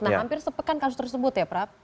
nah hampir sepekan kasus tersebut ya prap